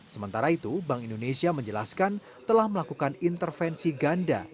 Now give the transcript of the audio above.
sementara itu bank indonesia menjelaskan telah melakukan intervensi ganda